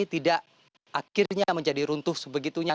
tidak akhirnya menjadi runtuh sebegitunya